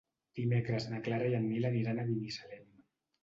Dimecres na Clara i en Nil aniran a Binissalem.